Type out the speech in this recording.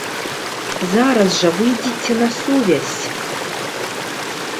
Зараз жа выйдзіце на сувязь!